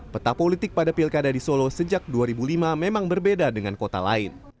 peta politik pada pilkada di solo sejak dua ribu lima memang berbeda dengan kota lain